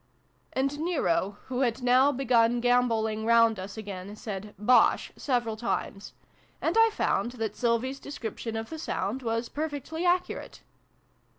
'" And Nero, who had now begun gamboling round us again, said " Bosh !" several times ; and I found that Sylvie's description of the sound was perfectly accurate.